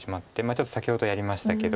ちょっと先ほどやりましたけど。